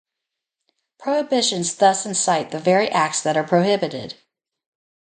Prohibitions thus incite the very acts that are prohibited.